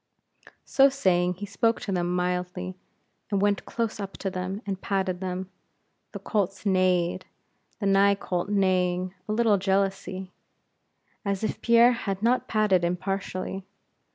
So saying, he spoke to them mildly, and went close up to them, and patted them. The colts neighed; the nigh colt neighing a little jealously, as if Pierre had not patted impartially.